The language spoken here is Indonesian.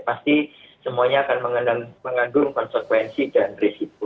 pasti semuanya akan mengandung konsekuensi dan risiko